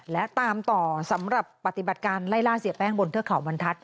และตามต่อสำหรับปฏิบัติการไล่ล่าเสียแป้งบนเทือกเขาบรรทัศน